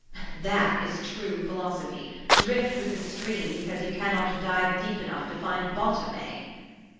"That is true philosophy. Drift with the stream, because you cannot dive deep enough to find bottom, eh?"